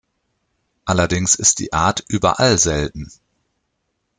Allerdings ist die Art überall selten.